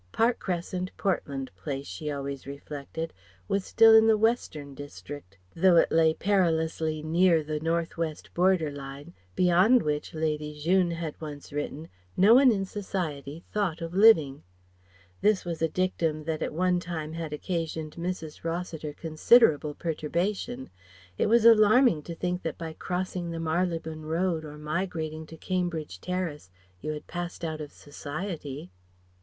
Park Crescent, Portland Place, she always reflected, was still in the Western district, though it lay perilously near the North West border line, beyond which Lady Jeune had once written, no one in Society thought of living. This was a dictum that at one time had occasioned Mrs. Rossiter considerable perturbation. It was alarming to think that by crossing the Marylebone Road or migrating to Cambridge Terrace you had passed out of Society.